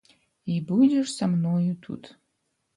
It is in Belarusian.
І будзеш са мною тут.